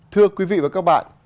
thưa quý vị và các bạn